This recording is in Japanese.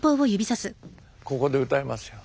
ここで歌いますよ。